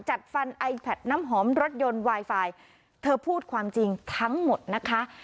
จัดฟันไอแพทน้ำหอมรถยนต์ไวไฟเธอพูดความจริงทั้งหมดนะคะ